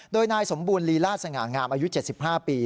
โดยนายสมบูรณลีลาดสง่างามอายุ๗๕ปี